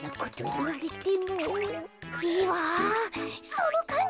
そのかんじ。